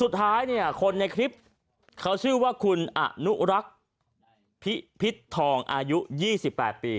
สุดท้ายเนี่ยคนในคลิปเขาชื่อว่าคุณอนุรักษ์พิพิษทองอายุ๒๘ปี